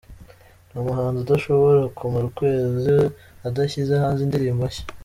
Ni umuhanzi udashobora kumara ukwezi adashyize hanze indirimbo nshya.